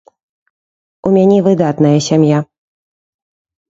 У мяне выдатная сям'я.